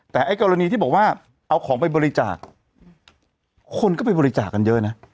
แต่ไอ้กรณีที่บอกว่าเอาของไปบริจาคคนก็ไปบริจาคกันเยอะนะ